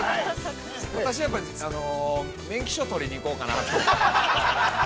◆私は、やっぱり免許証を取りに行こうかなと。